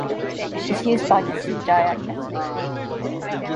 It is used by the Sea Dayak ethnic group.